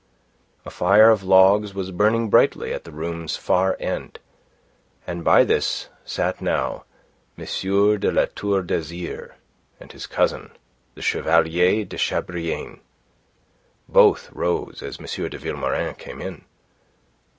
A fire of logs was burning brightly at the room's far end, and by this sat now M. de La Tour d'Azyr and his cousin, the Chevalier de Chabrillane. Both rose as M. de Vilmorin came in.